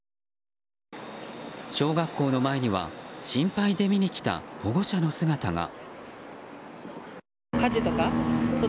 小学校の前には心配で見に来た保護者の姿が。